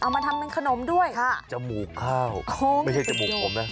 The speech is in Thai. มาทำเป็นขนมด้วยค่ะจมูกข้าวไม่ใช่จมูกผมนะ